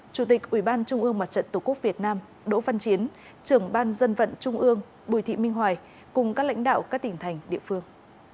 chủ tịch ủy ban trung ương mặt trận tổ quốc việt nam đỗ văn chiến trưởng ban dân vận trung ương bùi thị minh hoài cùng các lãnh đạo các tỉnh thành địa phương